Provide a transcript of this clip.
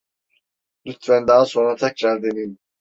Lütfen daha sonra tekrar deneyin.